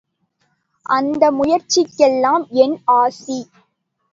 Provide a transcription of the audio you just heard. அந்த முயற்சிக்கெல்லாம் என் ஆசி.